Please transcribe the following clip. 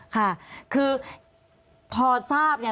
ค่ะคือพอทราบเนี่ย